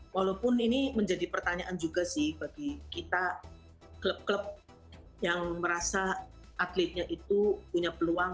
walaupun ini menjadi pertanyaan juga sih bagi kita klub klub yang merasa atletnya itu punya peluang